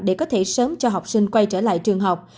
để có thể sớm cho học sinh quay trở lại trường học